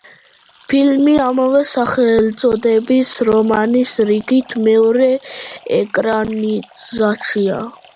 ფილმი ამავე სახელწოდების რომანის რიგით მეორე ეკრანიზაციაა.